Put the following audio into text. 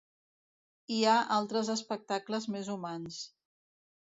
Hi ha altres espectacles més humans